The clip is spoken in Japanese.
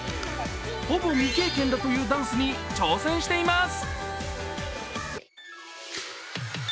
ほぼ未経験だというダンスに挑戦しています。